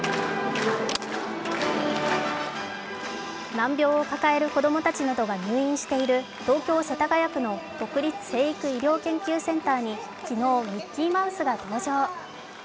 難病を抱える子供たちなどが入院している東京・世田谷区の国立成育医療研究センターに昨日、ミッキーマウスが登場。